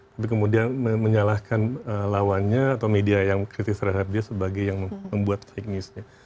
tapi kemudian menyalahkan lawannya atau media yang kritis terhadap dia sebagai yang membuat fake newsnya